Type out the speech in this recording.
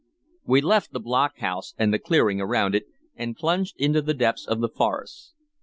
We left the block house and the clearing around it, and plunged into the depths of the forest.